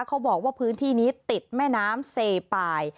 เขาบอกว่าพื้นที่นี้ติดแม่น้ำเซปาย